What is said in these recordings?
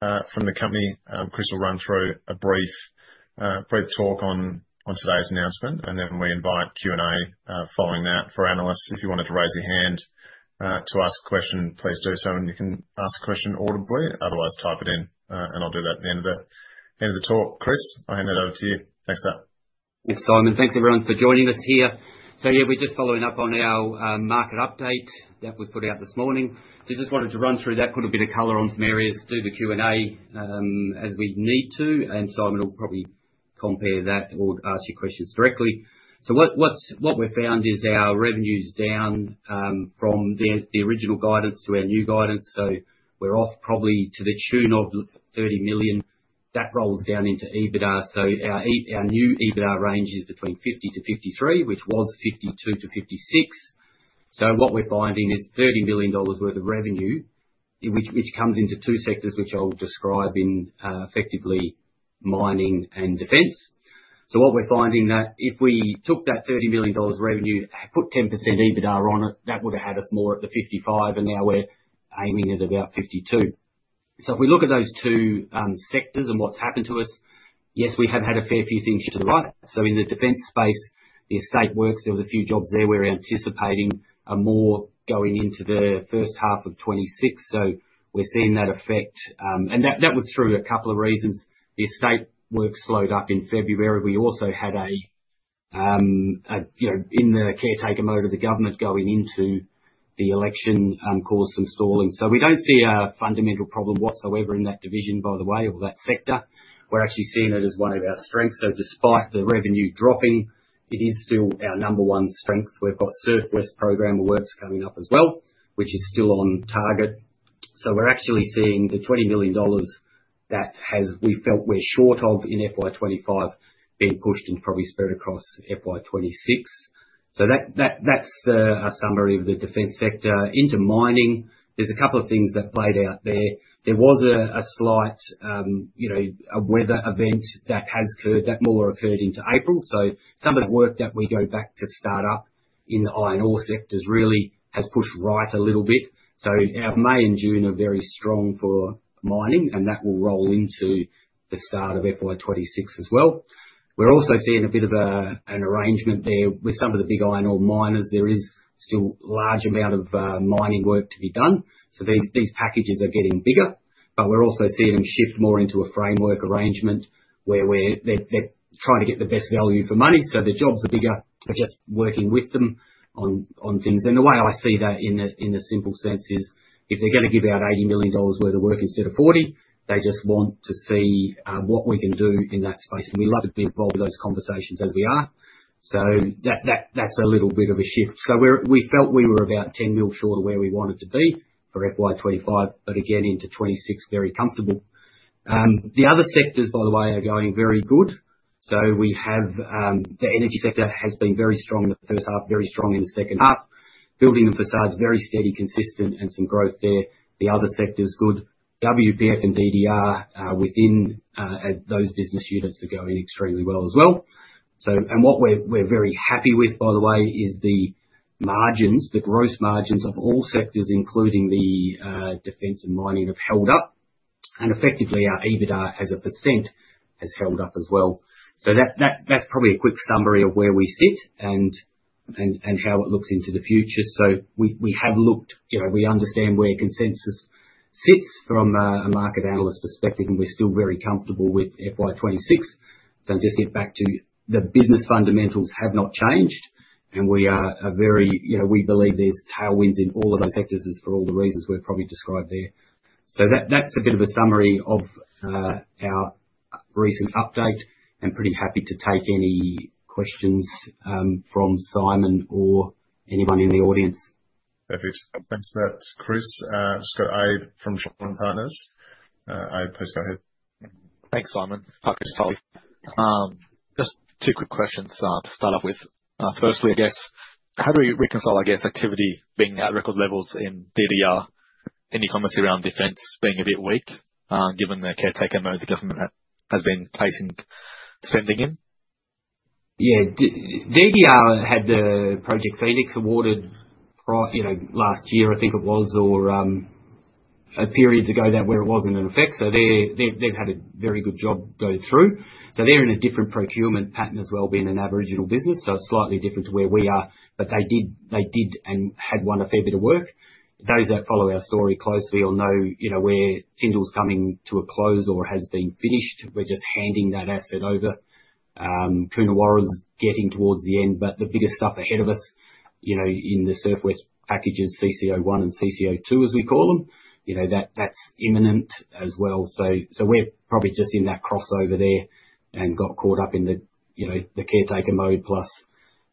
From the company, Chris will run through a brief talk on today's announcement, and then we invite Q&A following that. For analysts, if you wanted to raise your hand to ask a question, please do so, and you can ask a question audibly. Otherwise, type it in, and I'll do that at the end of the talk. Chris, I'll hand it over to you. Thanks for that. Thanks, Simon. Thanks, everyone, for joining us here. Yeah, we're just following up on our market update that we put out this morning. Just wanted to run through that, put a bit of color on some areas, do the Q&A as we need to, and Simon will probably compare that or ask you questions directly. What we've found is our revenue's down from the original guidance to our new guidance. We're off probably to the tune of 30 million. That rolls down into EBITDA. Our new EBITDA range is between 50 million-53 million, which was 52 million-56 million. What we're finding is 30 million dollars worth of revenue, which comes into two sectors, which I'll describe in effectively mining and defence. What we're finding is that if we took that 30 million dollars revenue, put 10% EBITDA on it, that would have had us more at the 55 million, and now we're aiming at about 52 million. If we look at those two sectors and what's happened to us, yes, we have had a fair few things to the right. In the defence space, the estate works, there were a few jobs there we're anticipating more going into the first half of 2026. We're seeing that effect. That was through a couple of reasons. The estate work slowed up in February. We also had, in the caretaker mode of the government going into the election, caused some stalling. We don't see a fundamental problem whatsoever in that division, by the way, or that sector. We're actually seeing it as one of our strengths. Despite the revenue dropping, it is still our number one strength. We've got Surf West Program, which is coming up as well, which is still on target. We're actually seeing the 20 million dollars that we felt we're short of in FY2025 being pushed and probably spread across FY2026. That's a summary of the defence sector. Into mining, there's a couple of things that played out there. There was a slight weather event that has occurred, that more occurred into April. Some of the work that we go back to start up in the iron ore sectors really has pushed right a little bit. Our May and June are very strong for mining, and that will roll into the start of FY2026 as well. We're also seeing a bit of an arrangement there with some of the big iron ore miners. There is still a large amount of mining work to be done. These packages are getting bigger, but we're also seeing them shift more into a framework arrangement where they're trying to get the best value for money. The jobs are bigger. We're just working with them on things. The way I see that in the simple sense is if they're going to give out 80 million dollars worth of work instead of 40 million, they just want to see what we can do in that space. We love to be involved in those conversations as we are. That is a little bit of a shift. We felt we were about 10 million shorter where we wanted to be for FY2025, but again, into 2026, very comfortable. The other sectors, by the way, are going very good. We have the energy sector has been very strong in the first half, very strong in the second half. Building and facades, very steady, consistent, and some growth there. The other sector's good. WPF and DDR are within as those business units are going extremely well as well. What we're very happy with, by the way, is the margins, the gross margins of all sectors, including the defence and mining, have held up. Effectively, our EBITDA as a % has held up as well. That's probably a quick summary of where we sit and how it looks into the future. We have looked, we understand where consensus sits from a market analyst perspective, and we're still very comfortable with FY2026. Just get back to the business fundamentals have not changed, and we are very, we believe there's tailwinds in all of those sectors for all the reasons we've probably described there. That's a bit of a summary of our recent update, and pretty happy to take any questions from Simon or anyone in the audience. Perfect. Thanks for that, Chris. I've just got Abe from Shoreline Partners. Abe, please go ahead. Thanks, Simon. Hi, Chris. Just two quick questions to start off with. Firstly, I guess, how do we reconcile, I guess, activity being at record levels in DDR, any comments around defense being a bit weak given the caretaker mode the government has been placing spending in? Yeah. DDR had the Project Phoenix awarded last year, I think it was, or a period ago that where it wasn't in effect. So they've had a very good job going through. They're in a different procurement pattern as well, being an Aboriginal business, so slightly different to where we are, but they did and had won a fair bit of work. Those that follow our story closely will know where Tyndall's coming to a close or has been finished. We're just handing that asset over. Kuna Warren's getting towards the end, but the biggest stuff ahead of us in the Surf West packages, CCO1 and CCO2, as we call them, that's imminent as well. We're probably just in that crossover there and got caught up in the caretaker mode plus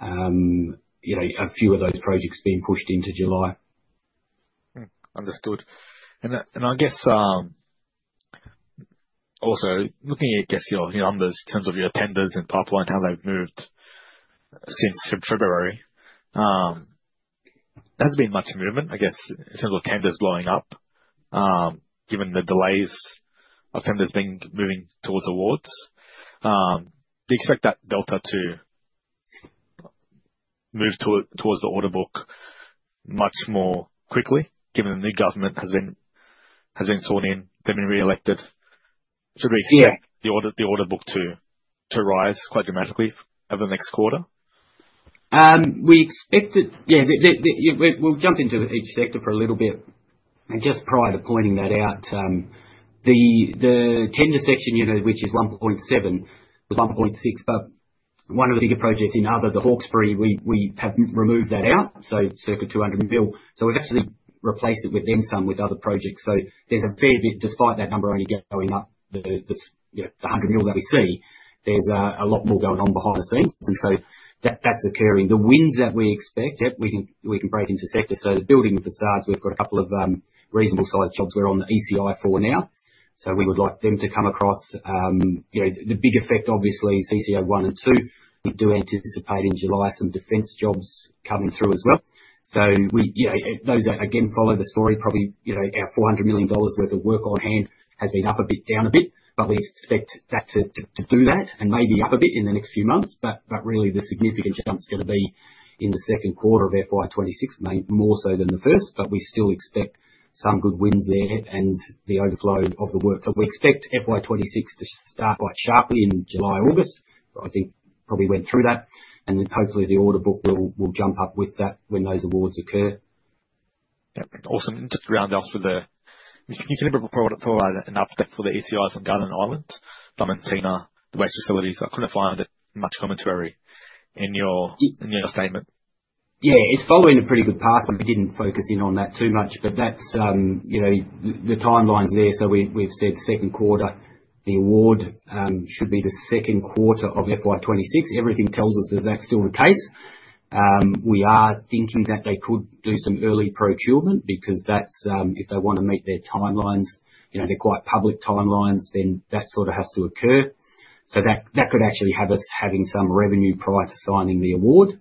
a few of those projects being pushed into July. Understood. I guess also looking at, I guess, your numbers in terms of your tenders and pipeline, how they've moved since February, there hasn't been much movement, I guess, in terms of tenders blowing up given the delays of tenders moving towards awards. Do you expect that delta to move towards the order book much more quickly given the new government has been sworn in, they've been re-elected? Should we expect the order book to rise quite dramatically over the next quarter? Yeah, we'll jump into each sector for a little bit. Just prior to pointing that out, the tender section, which is 1.7 billion, was 1.6 billion, but one of the bigger projects in other, the Hawkesbury, we have removed that out, so circa 200 million. We've actually replaced it with then some with other projects. There's a fair bit, despite that number only going up, the 100 million that we see, there's a lot more going on behind the scenes. That's occurring. The wins that we expect, yep, we can break into sectors. The building facades, we've got a couple of reasonable sized jobs we're on the ECI for now. We would like them to come across. The big effect, obviously, CCO1 and CCO2, we do anticipate in July some defence jobs coming through as well. Those again follow the story. Probably our 400 million dollars worth of work on hand has been up a bit, down a bit, but we expect that to do that and maybe up a bit in the next few months. Really, the significant jump's going to be in the second quarter of FY2026, more so than the first, but we still expect some good winds there and the overflow of the work. We expect FY2026 to start quite sharply in July, August. I think probably went through that. Hopefully, the order book will jump up with that when those awards occur. Awesome. Just to round off with the can you put an update for the ECIs on Garden Island, Clementina, the waste facilities? I couldn't find much commentary in your statement. Yeah, it's following a pretty good path, and we didn't focus in on that too much, but the timeline's there. So we've said second quarter, the award should be the second quarter of FY2026. Everything tells us is that still the case. We are thinking that they could do some early procurement because if they want to meet their timelines, their quite public timelines, then that sort of has to occur. That could actually have us having some revenue prior to signing the award.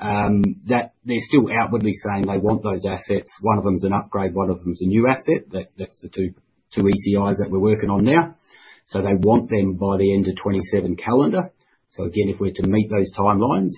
They're still outwardly saying they want those assets. One of them's an upgrade, one of them's a new asset. That's the two ECIs that we're working on now. They want them by the end of 2027 calendar. Again, if we're to meet those timelines,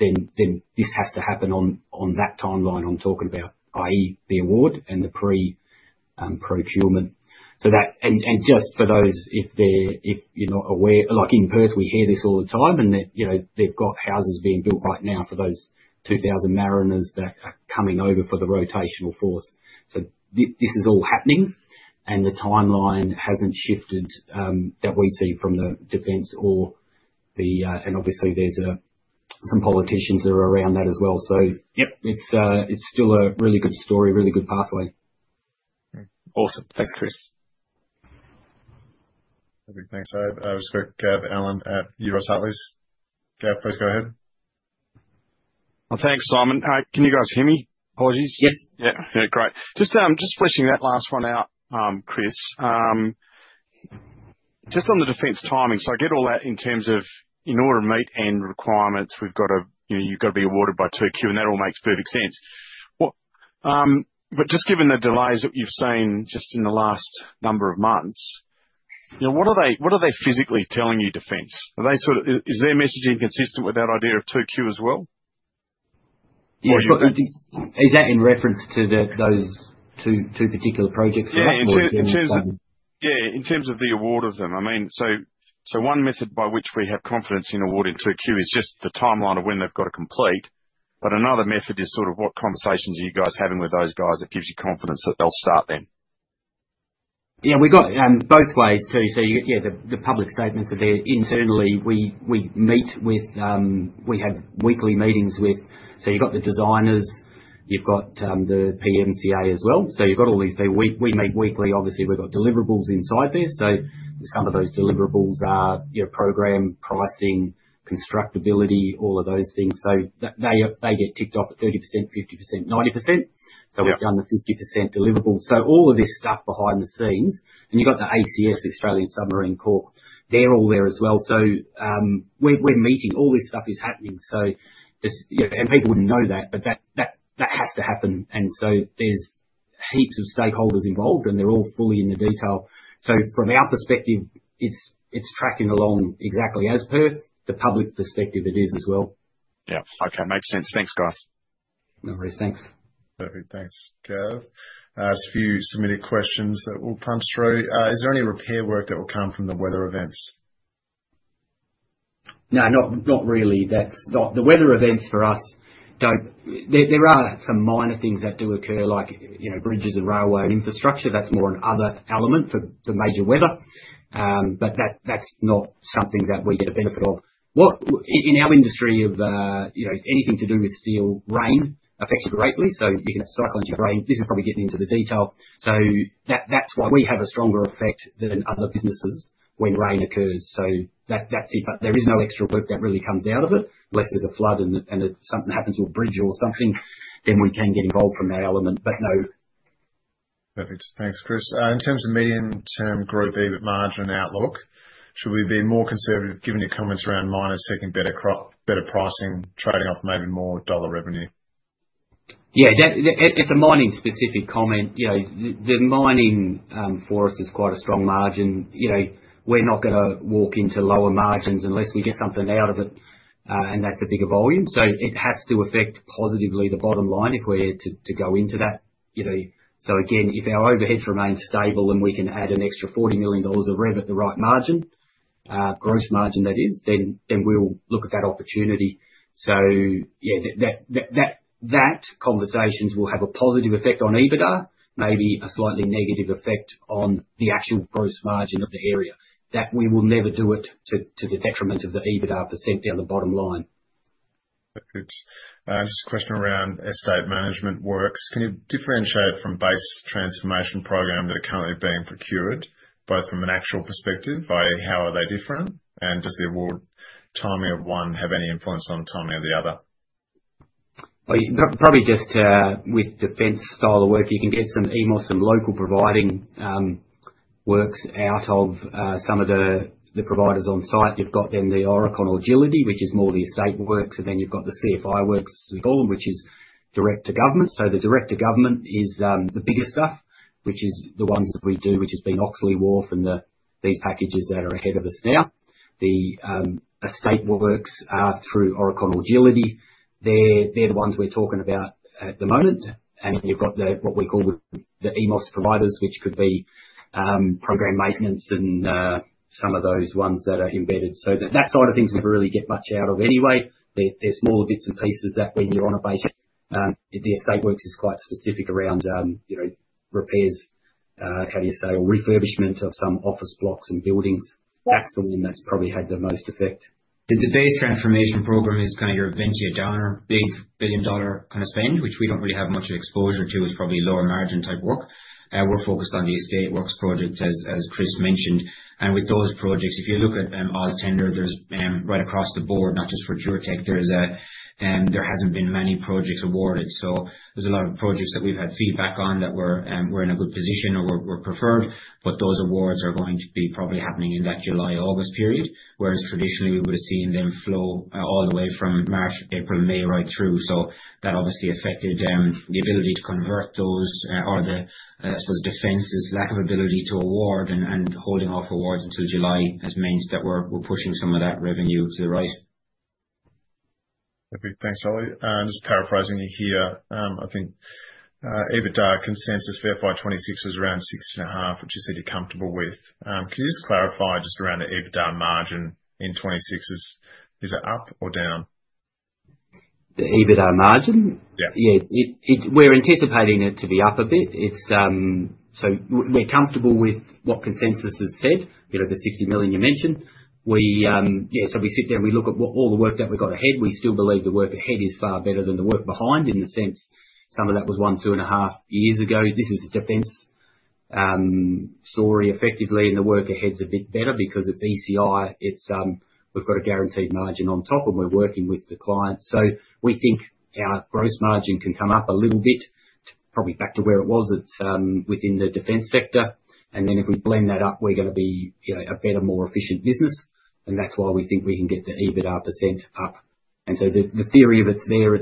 then this has to happen on that timeline I'm talking about, i.e., the award and the pre-procurement. Just for those, if you're not aware, like in Perth, we hear this all the time, and they've got houses being built right now for those 2,000 mariners that are coming over for the rotational force. This is all happening, and the timeline hasn't shifted that we see from the defence or the, and obviously, there's some politicians that are around that as well. It is still a really good story, really good pathway. Awesome. Thanks, Chris. Thanks, Abe. Just quick, Gavin Allen at Euroz Hartleys. Gavin, please go ahead. Thanks, Simon. Can you guys hear me? Apologies. Yes. Yeah. Yeah. Great. Just finishing that last one out, Chris. Just on the defence timing, so I get all that in terms of in order to meet end requirements, we've got to be awarded by 2Q, and that all makes perfect sense. Just given the delays that you've seen just in the last number of months, what are they physically telling you, defence? Is their messaging consistent with that idea of 2Q as well? Is that in reference to those two particular projects? Yeah. In terms of the award of them, I mean, one method by which we have confidence in awarding 2Q is just the timeline of when they've got to complete, but another method is sort of what conversations are you guys having with those guys that gives you confidence that they'll start then? Yeah. We've got both ways too. Yeah, the public statements are there. Internally, we meet with, we have weekly meetings with, so you've got the designers, you've got the PMCA as well. You've got all these people. We meet weekly. Obviously, we've got deliverables inside there. Some of those deliverables are program pricing, constructability, all of those things. They get ticked off at 30%, 50%, 90%. We've done the 50% deliverables. All of this stuff behind the scenes, and you've got the ASC, the Australian Submarine Corps, they're all there as well. We're meeting. All this stuff is happening. People wouldn't know that, but that has to happen. There are heaps of stakeholders involved, and they're all fully in the detail. From our perspective, it's tracking along exactly as Perth. The public perspective, it is as well. Yeah. Okay. Makes sense. Thanks, guys. No worries. Thanks. Perfect. Thanks, Gavin. Just a few submitted questions that will come through. Is there any repair work that will come from the weather events? No, not really. The weather events for us, there are some minor things that do occur, like bridges and railway infrastructure. That is more another element for the major weather, but that is not something that we get a benefit of. In our industry of anything to do with steel, rain affects greatly. You can have cyclones and rain. This is probably getting into the detail. That is why we have a stronger effect than other businesses when rain occurs. That is it. There is no extra work that really comes out of it unless there is a flood and something happens with a bridge or something, then we can get involved from that element, but no. Perfect. Thanks, Chris. In terms of medium-term growth, even margin outlook, should we be more conservative given your comments around miners taking better pricing, trading off maybe more dollar revenue? Yeah. It's a mining-specific comment. The mining force is quite a strong margin. We're not going to walk into lower margins unless we get something out of it, and that's a bigger volume. It has to affect positively the bottom line if we're to go into that. Again, if our overhead remains stable and we can add an extra 40 million dollars of Rev at the right margin, gross margin that is, then we'll look at that opportunity. Yeah, that conversations will have a positive effect on EBITDA, maybe a slightly negative effect on the actual gross margin of the area. We will never do it to the detriment of the EBITDA % down the bottom line. Perfect. Just a question around estate management works. Can you differentiate from Base Transformation Program that are currently being procured, both from an actual perspective via how are they different? Does the award timing of one have any influence on the timing of the other? Probably just with defence style of work, you can get some EMOS, some local providing works out of some of the providers on site. You have then the Oracle Agility, which is more the estate works, and then you have the CFI works, we call them, which is direct to government. The direct to government is the bigger stuff, which is the ones that we do, which has been Oxley Wharf and these packages that are ahead of us now. The estate works are through Oracle Agility. They are the ones we are talking about at the moment. You have what we call the EMOS providers, which could be program maintenance and some of those ones that are embedded. That side of things we do not really get much out of anyway. They're smaller bits and pieces that when you're on a base, the estate works is quite specific around repairs, how do you say, or refurbishment of some office blocks and buildings. That's the one that's probably had the most effect. The Base Transformation Program is kind of your venture downer, big billion dollar kind of spend, which we don't really have much exposure to. It's probably lower margin type work. We're focused on the estate works project, as Chris mentioned. With those projects, if you look at AusTender, there's right across the board, not just for Duratec, there hasn't been many projects awarded. There is a lot of projects that we have had feedback on that we are in a good position or we are preferred, but those awards are going to be probably happening in that July-August period, whereas traditionally we would have seen them flow all the way from March, April, May right through. That obviously affected the ability to convert those or the, I suppose, defence's lack of ability to award and holding off awards until July has meant that we are pushing some of that revenue to the right. Perfect. Thanks, Ollie. Just paraphrasing you here, I think EBITDA consensus for FY2026 was around 6.5, which you said you're comfortable with. Can you just clarify just around the EBITDA margin in 2026? Is it up or down? The EBITDA margin? Yeah. Yeah. We're anticipating it to be up a bit. We're comfortable with what consensus has said, the 60 million you mentioned. Yeah. We sit there and we look at all the work that we've got ahead. We still believe the work ahead is far better than the work behind in the sense some of that was one, two and a half years ago. This is a defence story effectively, and the work ahead's a bit better because it's ECI. We've got a guaranteed margin on top, and we're working with the client. We think our gross margin can come up a little bit, probably back to where it was within the defence sector. If we blend that up, we're going to be a better, more efficient business. That's why we think we can get the EBITDA % up. The theory of it's there,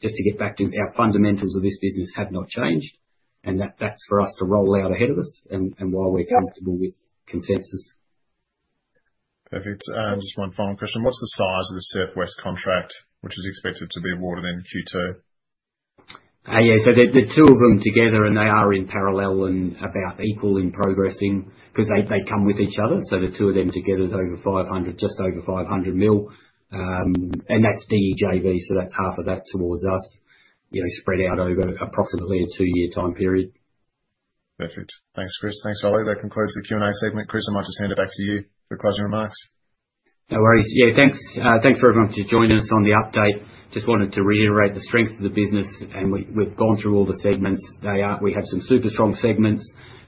just to get back to our fundamentals of this business have not changed. That's for us to roll out ahead of us and while we're comfortable with consensus. Perfect. Just one final question. What's the size of the Surf West contract, which is expected to be awarded in Q2? Yeah. The two of them together, and they are in parallel and about equal in progressing because they come with each other. The two of them together is over 500 million, just over 500 million. That's DEJV, so that's half of that towards us spread out over approximately a two-year time period. Perfect. Thanks, Chris. Thanks, Ollie. That concludes the Q&A segment. Chris, I might just hand it back to you for closing remarks. No worries. Yeah. Thanks for everyone for joining us on the update. Just wanted to reiterate the strength of the business, and we've gone through all the segments. We have some super strong segments.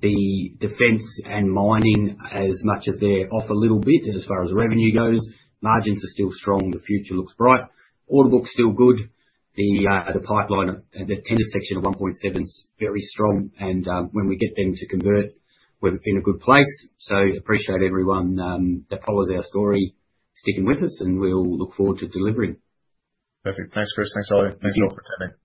The defence and mining, as much as they're off a little bit as far as revenue goes, margins are still strong. The future looks bright. Order book's still good. The pipeline, the tender section of 1.7 billion is very strong, and when we get them to convert, we're in a good place. Appreciate everyone that follows our story, sticking with us, and we'll look forward to delivering. Perfect. Thanks, Chris. Thanks, Ollie. Thanks all for coming. Cheers.